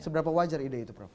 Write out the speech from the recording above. seberapa wajar ide itu prof